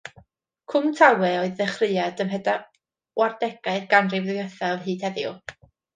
Cwm Tawe, o'i ddechreuad ym mhedwardegau'r ganrif ddiwethaf hyd heddiw.